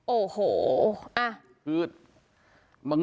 โอ้โหอะ